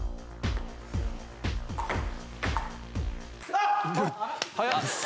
あっ！